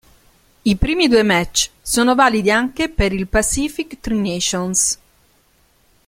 I primi due match sono validi anche per il "Pacific Tri-nations"